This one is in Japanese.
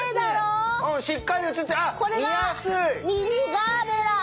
これがミニガーベラ。